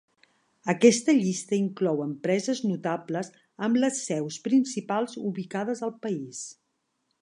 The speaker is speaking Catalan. Aquesta llista inclou empreses notables amb les seus principals ubicades al país.